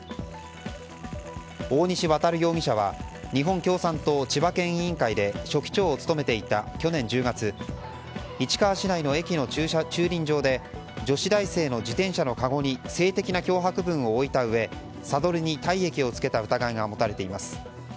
大西航容疑者は日本共産党千葉県委員会で書記長を務めていた去年１０月市川市内の駅の駐輪場で女子大生の自転車のかごに性的な脅迫文を置いたうえサドルに体液をつけた疑いが持たれています。